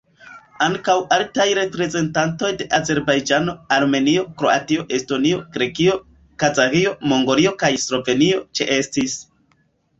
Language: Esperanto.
Ankaŭ altaj reprezentantoj de Azerbajĝano, Armenio, Kroatio, Estonio, Grekio, Kazaĥio, Mongolio kaj Slovenio ĉeestis.